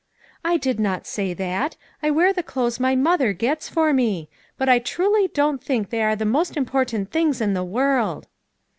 " I did not say that ; I wear the clothes my mother gets for me; but I truly don't think, they are the most important things in the world."